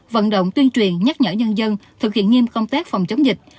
vận động tuyên truyền nhắc nhở nhân dân thực hiện nghiêm công tác phòng chống dịch